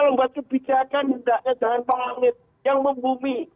membuat kebijakan hendaknya jalan pangangit yang membumi